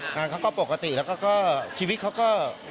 งานเขาก็ปกติแล้วก็ชีวิตเขาก็